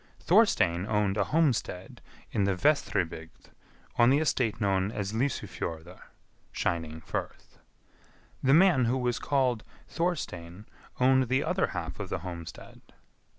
Thorstein owned a homestead in the Vestribygd on the estate known as Lysufjordr (shining firth). The man who was called Thorstein owned the other half of the homestead.